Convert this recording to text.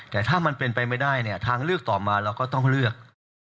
แต่ถ้ามันเป็นไปไม่ได้เนี่ยทางเลือกต่อมาเราก็ต้องเลือก